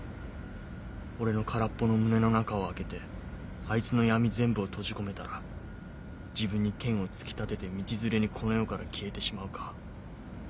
俺の空っぽの胸の中を開けてあいつの闇全部を閉じ込めたら自分に剣を突き立てて道連れにこの世から消えてしまうか